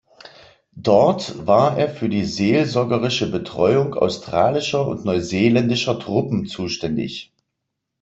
Dort war er für die seelsorgerische Betreuung australischer und neuseeländischer Truppen zuständig.